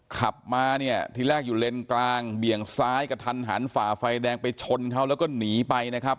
ขับมาเนี่ยทีแรกอยู่เลนกลางเบี่ยงซ้ายกระทันหันฝ่าไฟแดงไปชนเขาแล้วก็หนีไปนะครับ